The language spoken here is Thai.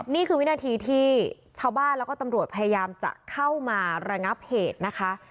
นี่คือวินาทีที่ชาวบ้านแล้วก็ตำรวจพยายามจะเข้ามาระงับเหตุนะคะ